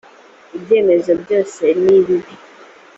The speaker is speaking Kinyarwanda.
ibyemezo byose nibibi.